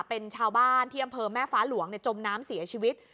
เป็นชาวบ้านที่อำเภอแม่ฟ้าหลวงจมน้ำเสียชีวิต